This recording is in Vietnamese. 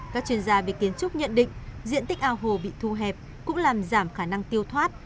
các chuyên gia về kiến trúc nhận định diện tích ao hồ bị thu hẹp cũng làm giảm khả năng tiêu thoát